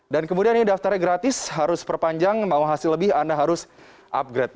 dan kemudian ini daftarnya gratis harus perpanjang mau hasil lebih anda harus upgrade